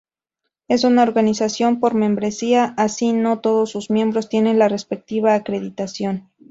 Es una organización por membresía, así no todos sus miembros tienen la respectiva acreditación.